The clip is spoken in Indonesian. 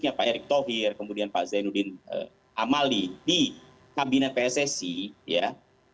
ya pak erick thohir kemudian pak zainuddin amali di kabinet pssi ya